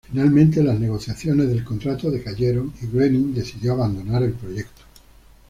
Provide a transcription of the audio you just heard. Finalmente, las negociaciones del contrato decayeron y Groening decidió abandonar el proyecto.